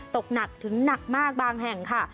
ตกหนักถึงหนักมากบางแห่งค่ะ